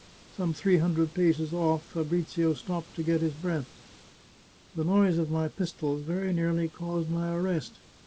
Some three hundred paces off Fabrizio stopped to get his breath. " The noise of my pistols very nearly caused my arrest.